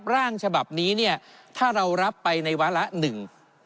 ร่างฉบับนี้เนี่ยถ้าเรารับไปในวาระหนึ่ง